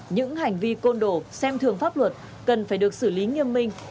những hành vi côn đổ xem thường pháp luật cần phải được xử lý nghiêm minh